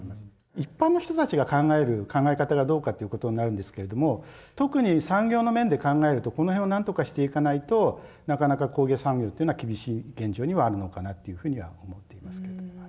一般の人たちが考える考え方がどうかということになるんですけれども特に産業の面で考えるとこの辺を何とかしていかないとなかなか工芸産業というのは厳しい現状にはあるのかなというふうには思っていますけどはい。